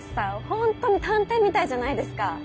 本当に探偵みたいじゃないですか。